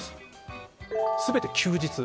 全て休日。